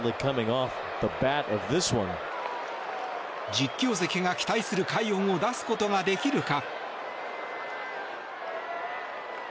実況席が期待する快音を出すことができるか。